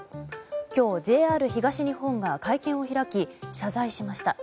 今日、ＪＲ東日本が会見を開き謝罪しました。